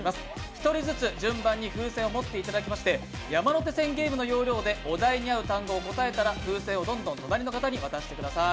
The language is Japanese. １人ずつ順番に風船を持っていただきまして山手線ゲームの要領でお題に合う単語を答えたら風船をどんどん隣の方に渡してください。